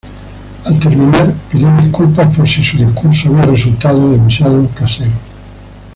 Al terminar, pidió disculpas por si su discurso había resultado demasiado casero.